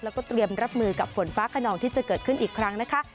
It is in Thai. แล้วก็เตรียมรับมือกับฝนฟ้าขนองที่จะเกิดขึ้นอีกครั้งนะคะ